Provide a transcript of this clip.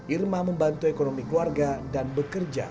irma membantu ekonomi keluarga dan bekerja